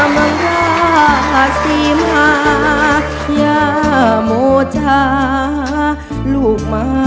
มค